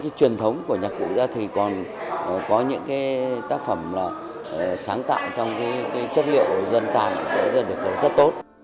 những truyền thống của nhà cụ ra thì còn có những tác phẩm sáng tạo trong chất liệu dân tộc sẽ được rất tốt